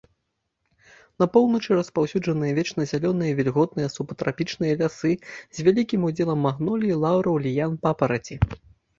На поўначы распаўсюджаныя вечназялёныя вільготныя субтрапічныя лясы з вялікім удзелам магнолій, лаўраў, ліян, папараці.